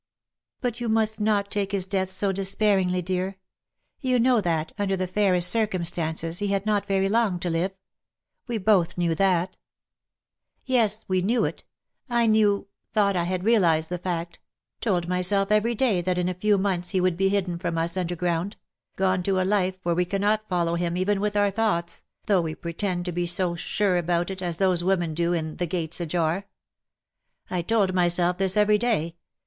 " But you must not take his death so despair ingly, dear. You know that, under the fairest circumstances, he had not very loag to live. We both knew that.^^ '^ Yes ! we knew it. I knew — thought that I had realized the fact — told myself every day that in a few months he would be hidden from us under ground — gone to a life where we cannot follow him even with our thoughts, though we pretend to be so sure about it, as those women do in ' The Gates Ajar.^ I told myself this every day.